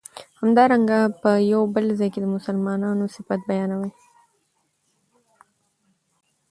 همدارنګه په بل ځای کی د مسلمانو صفت بیانوی